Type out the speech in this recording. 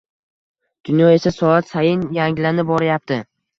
Dunyo esa soat sayin yangilanib borayapti